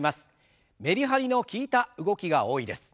メリハリの利いた動きが多いです。